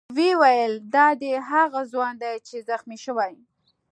ویې ویل: دا دی هغه ځوان دی چې زخمي شوی.